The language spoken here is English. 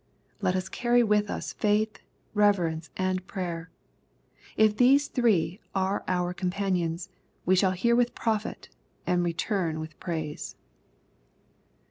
Let us carry with us faith, reverence, and prayer. If £hese three are our companions, we shall hear with profit, and return with praise.